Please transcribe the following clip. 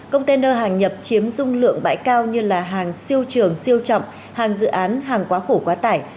container hàng nhập chiếm dung lượng bãi cao như hàng siêu trường siêu trọng hàng dự án hàng quá khổ quá tải